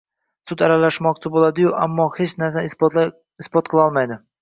Sud aralashmoqchi bo`ladi-yu, ammo hech narsani isbot qilolmaydi